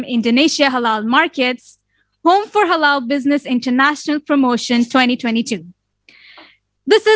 indonesia raya merdeka merdeka tanahku negeriku yang ku cinta